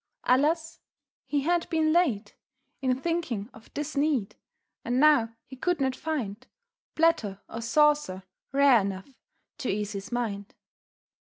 Alas! He had been late In thinking of this need, and now he could not find Platter or saucer rare enough to ease his mind.